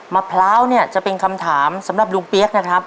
มะพร้าวเนี่ยจะเป็นคำถามสำหรับลุงเปี๊ยกนะครับ